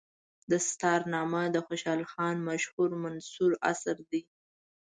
دستارنامه د خوشحال خان مشهور منثور اثر دی.